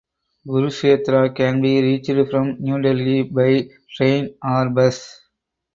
Kurukshetra can be reached from New Delhi by train or bus.